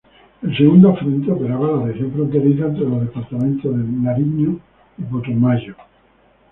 El Segundo Frente operaba la región fronteriza entre los departamentos de Nariño y Putumayo.